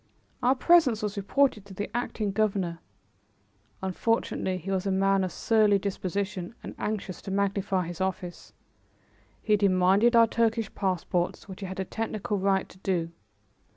Our presence was reported to the acting governor. Unfortunately he was a man of surly disposition and anxious to magnify his office. He demanded our Turkish passports, which he had a technical right to do.